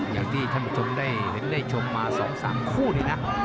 อย่างที่ท่านผู้ชมได้เห็นได้ชมมา๒๓คู่นี่นะ